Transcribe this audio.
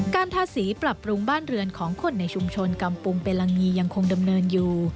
ทาสีปรับปรุงบ้านเรือนของคนในชุมชนกำปุงเปลังงียังคงดำเนินอยู่